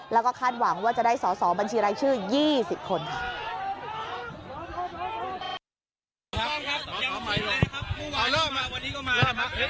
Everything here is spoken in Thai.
แล้วก็คาดหวังว่าจะได้สอสอบัญชีรายชื่อ๒๐คนค่ะ